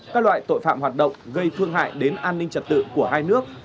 các loại tội phạm hoạt động gây phương hại đến an ninh trật tự của hai nước